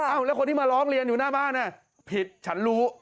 แล้วคนที่มาร้องเรียนอยู่หน้าบ้านผิดฉันรู้